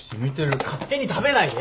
勝手に食べないでよ。